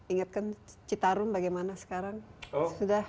ingatkan citarun bagaimana sekarang sudah